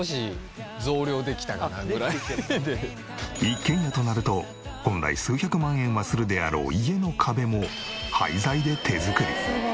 一軒家となると本来数百万円はするであろう家の壁も廃材で手作り。